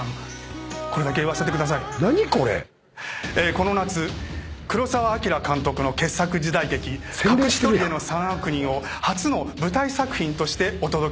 この夏黒澤明監督の傑作時代劇『隠し砦の三悪人』を初の舞台作品としてお届けいたします。